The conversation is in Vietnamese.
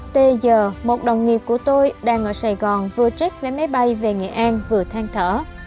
tây giờ một đồng nghiệp của tôi đang ở sài gòn vừa check vé máy bay về nghệ an vừa than thở